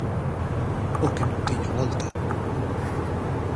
O que non tiña volta.